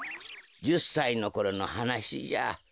１０さいのころのはなしじゃ。